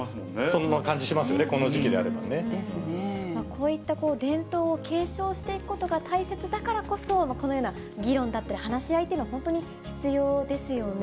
そんな感じしますよね、こういった伝統を継承していくことが大切だからこそ、このような議論だったり話し合いというのは本当に必要ですよね。